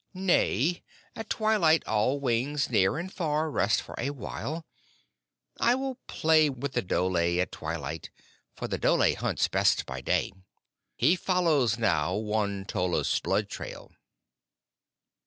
"Nay, at twilight all wings near and far rest for a while. I will play with the dhole at twilight, for the dhole hunts best by day. He follows now Won tolla's blood trail."